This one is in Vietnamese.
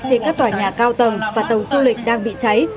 trên các tòa nhà cao tầng và tàu du lịch đang bị cháy